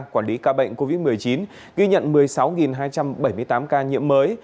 quản lý ca bệnh covid một mươi chín ghi nhận một mươi sáu hai trăm bảy mươi tám ca nhiễm mới